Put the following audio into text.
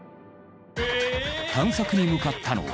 探索に向かったのは。